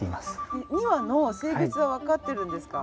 ２羽の性別はわかっているんですか？